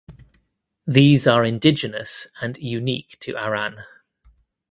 These are indigenous and unique to Arran.